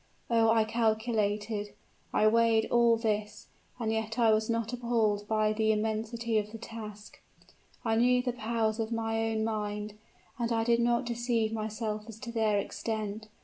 Oh! I calculated I weighed all this, and yet I was not appalled by the immensity of the task. I knew the powers of my own mind, and I did not deceive myself as to their extent.